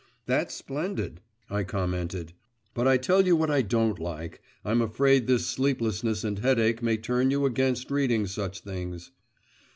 'That's splendid,' I commented; 'but I tell you what I don't like I'm afraid this sleeplessness and headache may turn you against reading such things.